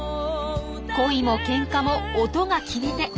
恋もケンカも音が決め手。